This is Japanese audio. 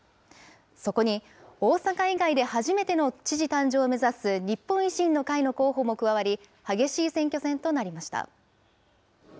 そこに、大阪以外で初めての知事誕生を目指す日本維新の会の候補も加わり、激しい選挙戦となりました。